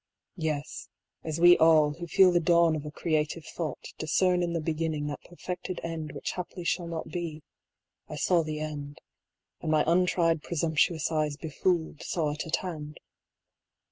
Yes, as we all, who feel the dawn of a creative thought, discern in the beginning that perfected end which haply shall not be, I saw the end; and my untried presumptuous eyes, befooled, saw it at hand.